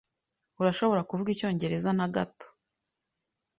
Urashobora kuvuga icyongereza na gato?